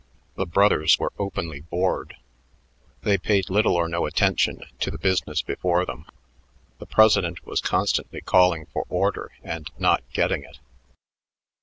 The brothers were openly bored; they paid little or no attention to the business before them. The president was constantly calling for order and not getting it.